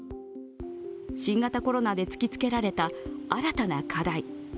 新型コロナで突きつけられた新たな課題。